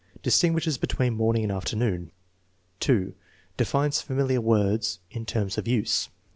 Distinguishes between morning and afternoon. 6. Defines familiar words in terms of use.